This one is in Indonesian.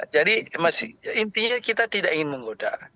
jadi intinya kita tidak ingin menggoda